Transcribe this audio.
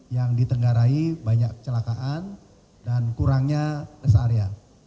yang ditenggarai banyak celakaan dan kurangnya desa area